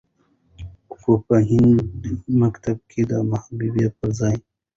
خو په هندي مکتب کې د محبوبې پرځاى